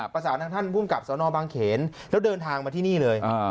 ประสานทางท่านภูมิกับสนบางเขนแล้วเดินทางมาที่นี่เลย